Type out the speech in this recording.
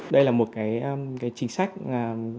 đây là một trang sách khó khăn